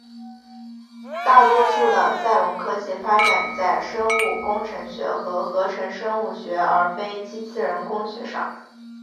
大多数的赛隆科技发展在生物工程学和合成生物学而非机器人工学上。